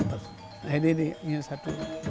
nah ini nih ini satu